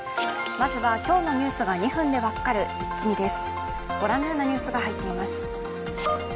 まずは、今日のニュースが２分で分かるイッキ見です。